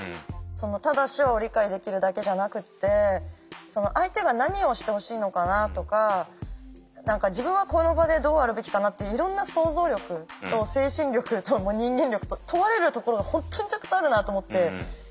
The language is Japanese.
ただ手話を理解できるだけじゃなくて相手が何をしてほしいのかなとか自分はこの場でどうあるべきかなっていろんな想像力と精神力と人間力と問われるところが本当にたくさんあるなと思って。